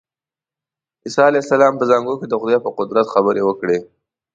عیسی علیه السلام په زانګو کې د خدای په قدرت خبرې وکړې.